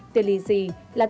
tiền lì xì là tiền lợi